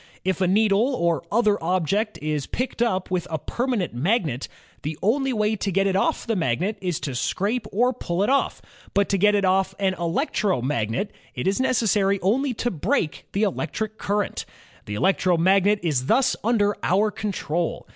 If a needle or other object is picked up with a permanent magnet, the only way to get it off the magnet is to scrape or pull it off; but to get it off an electromagnet, it is necessary only to break the electric current. The electromagnet is thus under our control.